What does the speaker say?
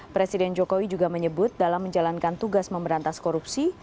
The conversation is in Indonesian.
presiden jokowi juga menyebut dalam menjalankan tugas memberantas korupsi